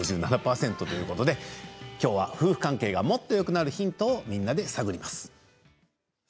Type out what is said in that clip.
５７％ということできょうは夫婦関係がもっとよくなるヒントみんなで探ります。